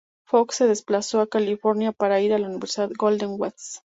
Fox se desplazó a California para ir a la Universidad Golden West.